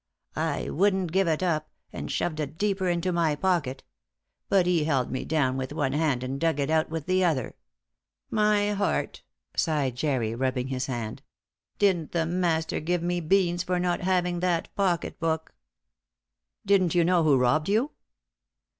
I wouldn't give it up, and shoved it deeper into my pocket; but he held me down with one hand and dug it out with the other. My heart!" sighed Jerry rubbing his hand, "didn't the master give me beans for not having that pocket book!" "Didn't you know who robbed you?"